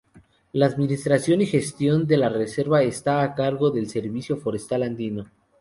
La administración y gestión de la reserva está a cargo del Servicio Forestal Andino.